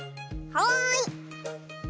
はい！